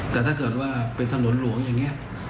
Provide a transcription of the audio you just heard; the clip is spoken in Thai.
แต่ถ้าเกิดว่าเป็นถนนหลวงอย่างนี้